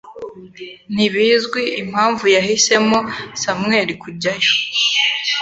Ntibizwi impamvu yahisemo Samuel kujyayo